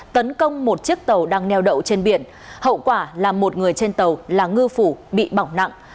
tấn công một chiếc tàu đang neo đậu trên biển hậu quả là một người trên tàu là ngư phủ bị bỏng nặng